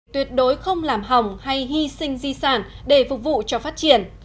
tuyệt đối không làm hỏng hay hy sinh di sản để phục vụ cho phát triển